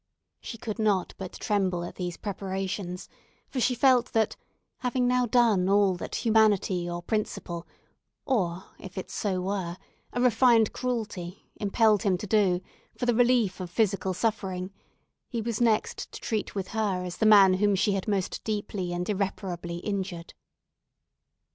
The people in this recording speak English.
She could not but tremble at these preparations; for she felt that—having now done all that humanity, or principle, or, if so it were, a refined cruelty, impelled him to do for the relief of physical suffering—he was next to treat with her as the man whom she had most deeply and irreparably injured.